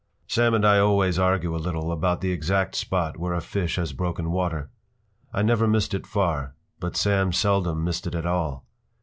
p> Sam and I always argue a little about the exact spot where a fish has broken water. I never missed it far, but Sam seldom missed it at all.